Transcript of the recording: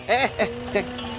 eh eh eh cik